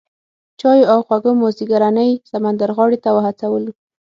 چایو او خوږو مازیګرنۍ سمندرغاړې ته وهڅولو.